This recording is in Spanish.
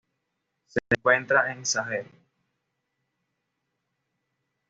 Se encuentra en el Sahel.